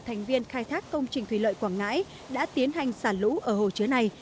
thành viên khai thác công trình thủy lợi quảng ngãi đã tiến hành xả lũ ở hồ chứa này